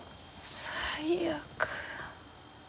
最悪。